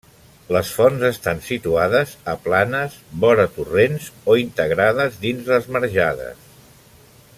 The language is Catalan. Les fonts estan situades a planes, vora torrents o integrades dins les marjades.